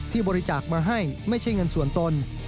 บริจาคมาให้ไม่ใช่เงินส่วนตน